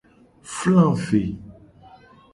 Fla ve.